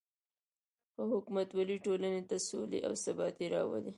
ښه حکومتولي ټولنې ته سوله او ثبات راولي.